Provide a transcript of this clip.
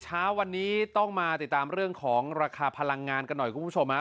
เช้าวันนี้ต้องมาติดตามเรื่องของราคาพลังงานกันหน่อยคุณผู้ชมฮะ